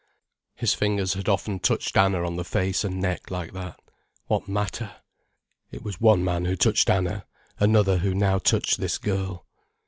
His fingers had often touched Anna on the face and neck like that. What matter! It was one man who touched Anna, another who now touched this girl.